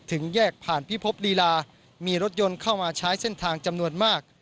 ถึงแยกผ่านพิภพลีลามีรถยนต์เข้ามาใช้เส้นทางจำนวนมาก